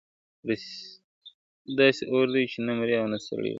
داسي اور دی چي نه مري او نه سړیږي ,